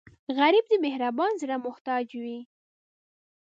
غریب د مهربان زړه محتاج وي